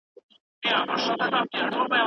انارګل په خپل ژوند کې د یو نوي امید په لټه کې و.